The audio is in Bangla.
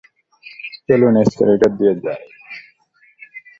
চলুন এস্কেলেটর দিয়ে যাই।